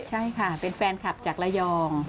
ใช่ค่ะเป็นแฟนคลับจากระยอง